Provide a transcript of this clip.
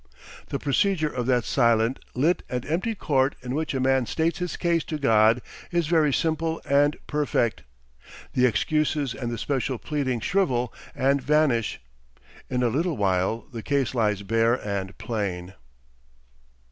The procedure of that silent, lit, and empty court in which a man states his case to God, is very simple and perfect. The excuses and the special pleading shrivel and vanish. In a little while the case lies bare and plain.